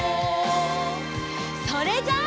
それじゃあ。